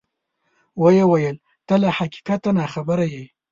ویې ویل: ته له حقیقته ناخبره یې.